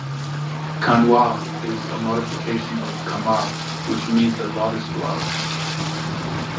"Kanwal" is a modification of "Kamal", which means the lotus flower.